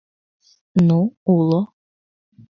— Ну, уло.